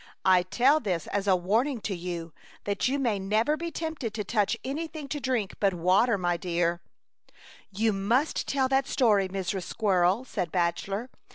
I tell this as a warn ing to you, that you may never be tempted to touch anything to drink but water, my dear/' " You must tell that story, Mrs. Squirrel," said Bachelor.